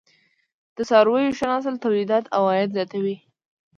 د څارويو ښه نسل تولیدات او عاید زیاتوي.